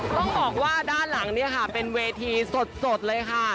ต้องบอกว่าด้านหลังเป็นเวทีสดเลยค่ะ